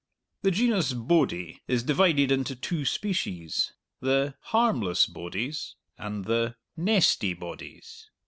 The genus "bodie" is divided into two species the "harmless bodies" and the "nesty bodies."